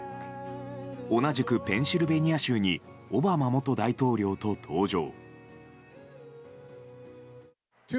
同じくペンシルバニア州にオバマ元大統領と登場。